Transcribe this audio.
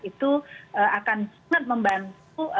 itu akan sangat membantu